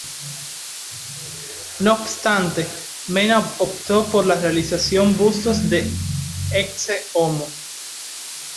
No obstante, Mena optó por la realización bustos de "Ecce Homo".